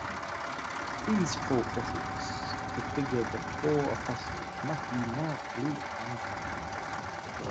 These four prophets prefigure the four Apostles Matthew, Mark, Luke, and John.